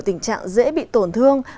tình trạng dễ bị tổn thương